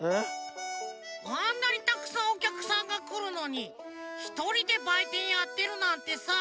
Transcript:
あんなにたくさんおきゃくさんがくるのにひとりでばいてんやってるなんてさ。